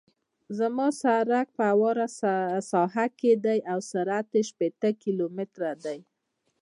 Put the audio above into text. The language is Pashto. زما سرک په همواره ساحه کې دی او سرعت یې شپیته کیلومتره دی